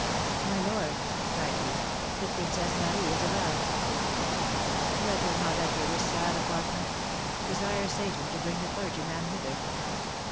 "My lord," cried he, "the Princess Marie is arrived!" "Let her not enter this sad apartment. Desire Seyton to bring the clergyman hither."